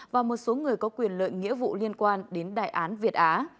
và một số người có quyền lợi nghĩa vụ liên quan đến đại án việt á